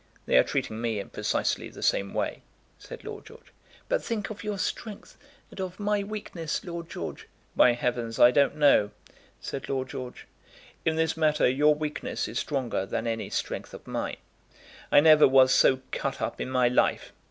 "They are treating me in precisely the same way," said Lord George. "But think of your strength and of my weakness, Lord George." "By heavens, I don't know!" said Lord George. "In this matter your weakness is stronger than any strength of mine. I never was so cut up in my life.